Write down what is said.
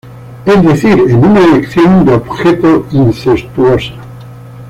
Es decir, en una elección de objeto incestuosa.